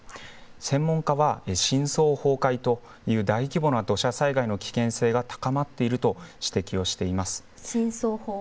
専門家は深層崩壊という大規模な土砂災害の危険性が高まっていると指摘しています。